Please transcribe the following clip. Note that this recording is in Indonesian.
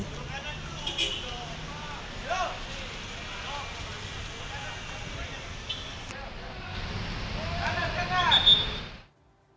jangan jangan jangan